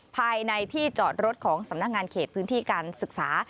ภายในที่จอดรถของสำนักงานเขตพื้นที่การศึกษา